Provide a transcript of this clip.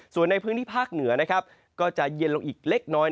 ส่วนในพื้นที่ภาคเหนือนะครับก็จะเย็นลงอีกเล็กน้อย